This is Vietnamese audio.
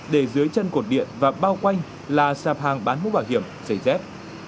để dưới chân cột điện và bao quanh là sạp hàng bán mũ bảo hiểm giày dép